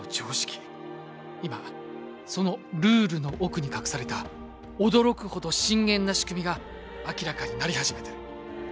今そのルールの奥に隠された驚くほど深淵なしくみが明らかになり始めている。